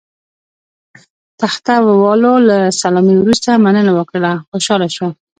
تخته والاو له سلامۍ وروسته مننه وکړه، خوشاله شول.